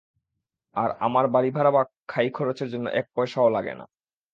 আর আমার বাড়ীভাড়া বা খাইখরচের জন্য এক পয়সাও লাগে না।